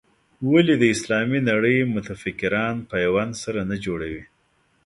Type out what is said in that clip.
ولې د اسلامي نړۍ متفکران پیوند سره نه جوړوي.